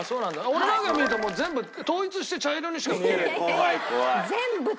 俺なんかが見ると全部統一して茶色にしか見えない。